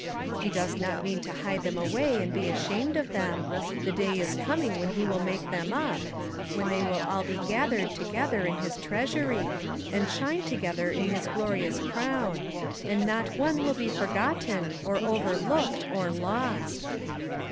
He does not mean to hide them away and be ashamed of them the day is coming when he will make them up when they will all be gath ered together in his treasury, and shine to gether in his glorious crown; and not one will be forgotten or overlooked or lost."